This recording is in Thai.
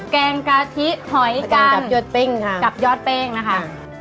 แกงกะพริหอยกันกับยอดเป้งนะคะ